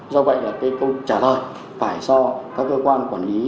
do vậy là câu trả lời phải so các cơ quan quản lý